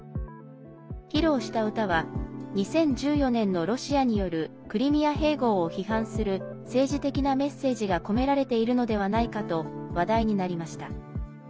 披露した歌は、２０１４年のロシアによるクリミア併合を批判する政治的なメッセージが込められているのではないかと話題になりました。